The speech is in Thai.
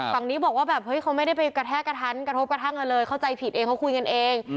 ฝั่งนี้บอกว่าแบบเฮ้ยเขาไม่ได้ไปกระแทกกระทันกระทบกระทั่งกันเลยเข้าใจผิดเองเขาคุยกันเอง